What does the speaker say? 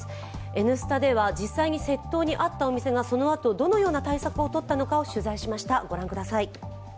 「Ｎスタ」では実際に窃盗に遭ったお店がそのあと、どのような対策をとったのかを取材しました。